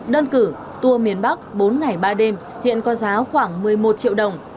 đơn cử tour miền bắc bốn ngày ba đêm hiện có giá khoảng một mươi một triệu đồng